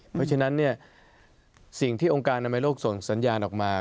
เพราะฉะนั้นสิ่งที่องค์การอนามัยโลกส่งสัญญาณออกมา